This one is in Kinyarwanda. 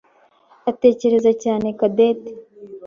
atekereza cyane Cadette.